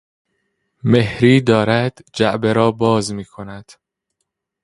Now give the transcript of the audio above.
مهری دارد جعبه را باز میکند.